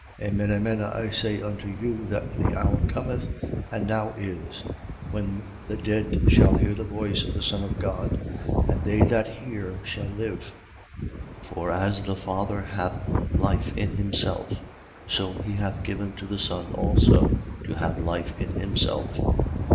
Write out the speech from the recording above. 5:25. Amen, amen, I say unto you, that the hour cometh, and now is, when the dead shall hear the voice of the Son of God: and they that hear shall live. 5:26. For as the Father hath life in himself, so he hath given to the Son also to have life in himself.